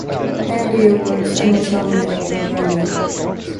Handy Awards and was nominated for a Grammy.